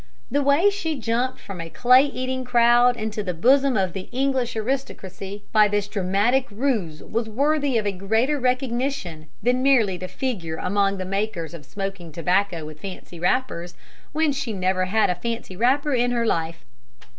The way she jumped from a clay eating crowd into the bosom of the English aristocracy by this dramatic ruse was worthy of a greater recognition than merely to figure among the makers of smoking tobacco with fancy wrappers, when she never had a fancy wrapper in her life.